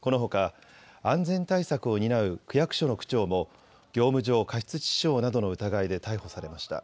このほか安全対策を担う区役所の課長も業務上過失致死傷などの疑いで逮捕されました。